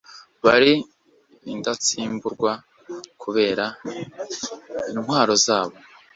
bari indatsimburwa kubera intwaro zabo